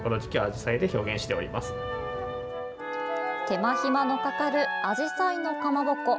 手間暇のかかるあじさいのかまぼこ。